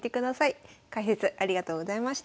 解説ありがとうございました。